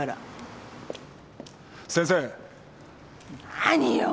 何よ？